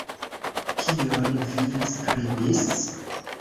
Kion vi skribis?